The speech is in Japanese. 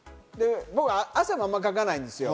汗もあまりかかないんですよ。